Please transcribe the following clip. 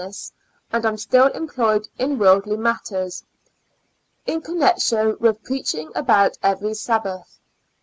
ness, and am still employed in worldy matters in connection with preaching about every Sabbath.